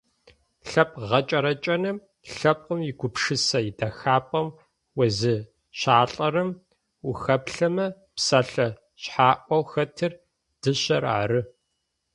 Лъэпкъ гъэкӏэрэкӏэным, лъэпкъым игупшысэ идэхапӏэм уезыщалӏэрэм ухаплъэмэ псэлъэ шъхьаӏэу хэтыр - дышъэр ары.